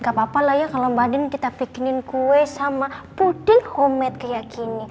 gak apa apa lah ya kalau mbak din kita bikinin kue sama puding homemade kayak gini